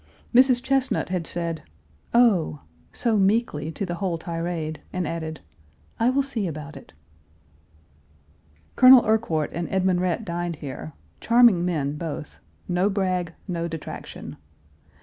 Mrs. Chesnut had said: "Oh!" so meekly to the whole tirade, and added, "I will see about it." Colonel Urquhart and Edmund Rhett dined here; charming men both no brag, no detraction.